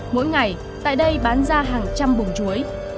mỗi ngày tại đây bán ra hàng trăm bùng chuối